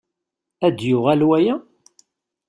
Ad d-yuɣal waya?